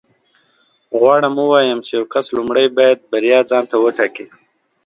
غواړم ووایم چې یو کس لومړی باید بریا ځان ته وټاکي